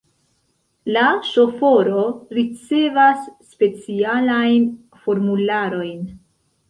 La ŝoforo ricevas specialajn formularojn.